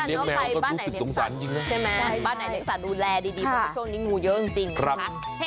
วันนี้แมวก็รู้สึกสงสารจริงนะครับใช่ไหมบ้านไหนเหล็กสันดูแลดีบอกว่าช่วงนี้งูเยอะจริงครับ